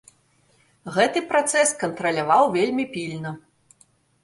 Гэты працэс кантраляваў вельмі пільна.